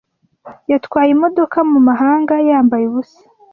Yatwaye imodoka mu mahanga, yambaye ubusa,